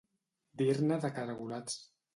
Dir-ne de caragolats.